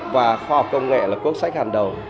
và khoa học công nghệ là quốc sách hàng đầu